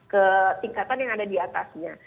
ke tingkatan yang ada di atasnya